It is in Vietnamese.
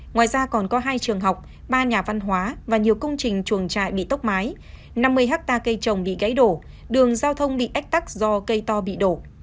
ngoài ra còn có hai trường học ba nhà văn hóa và nhiều công trình chuồng trại bị tốc mái năm mươi hectare cây trồng bị gãy đổ đường giao thông bị ách tắc do cây to bị đổ